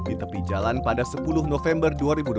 di tepi jalan pada sepuluh november dua ribu dua puluh